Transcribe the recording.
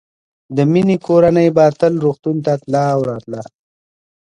د مينې کورنۍ به تل روغتون ته تله او راتله